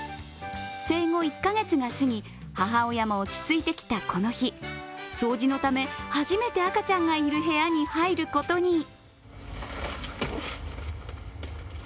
生後１カ月が過ぎ、母親も落ち着いてきたこの日、掃除のため初めて赤ちゃんがいる部屋に入ることに。